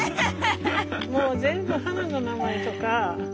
もう全部花の名前とか。